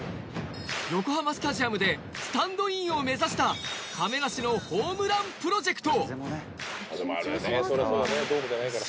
横浜スタジアムでスタンドインを目指した亀梨のホームランプロジェクト。